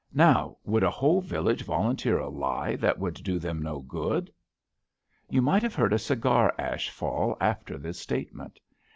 Now would a whole village volunteer a lie that would do them no good? " You might have heard a cigar ash fall after this statement.